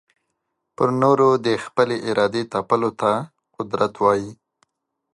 پر نورو د خپلي ارادې تپلو ته قدرت وايې.